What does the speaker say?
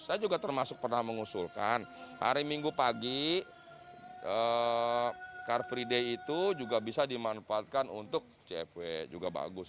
saya juga termasuk pernah mengusulkan hari minggu pagi car free day itu juga bisa dimanfaatkan untuk cfw juga bagus